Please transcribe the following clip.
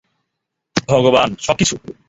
ভগবান, সবকিছু।